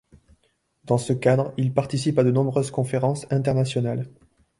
Dans ce cadre il participe à de nombreuses conférences internationales.